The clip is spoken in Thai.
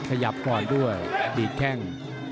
ขยับก่อนด้วยดีดแข้ง